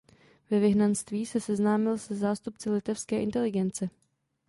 Ve vyhnanství se seznámil se zástupci litevské inteligence.